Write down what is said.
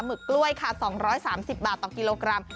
ึกกล้วยค่ะ๒๓๐บาทต่อกิโลกรัม